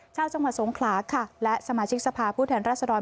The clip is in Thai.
จังหวัดสงขลาค่ะและสมาชิกสภาพผู้แทนรัศดร